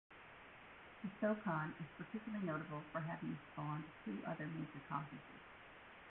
The SoCon is particularly notable for having spawned two other major conferences.